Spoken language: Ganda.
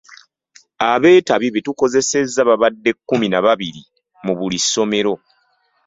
Abeetabi betukozesezza babadde kkumi na babiri mu buli ssomero.